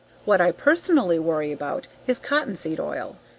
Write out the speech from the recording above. What I personally worry about is cottonseed oil.